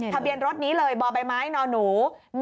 ทะเบียนรถนี้เลยบใบไม้นหนู๑๓๔๔